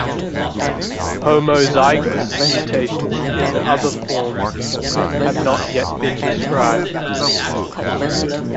Homozygous mutations in the other forms have not yet been described.